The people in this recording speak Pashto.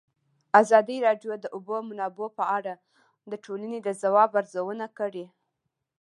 ازادي راډیو د د اوبو منابع په اړه د ټولنې د ځواب ارزونه کړې.